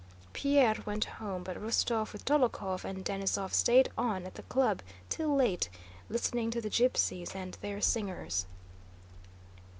Pierre went home, but Rostóv with Dólokhov and Denísov stayed on at the club till late, listening to the gypsies and other singers.